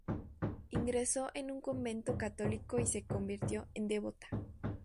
Ingresó en un convento católico y se convirtió en devota.